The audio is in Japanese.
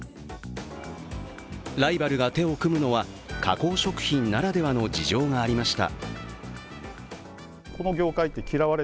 ライバルが手を組むのは加工食品ならではの事情がありました。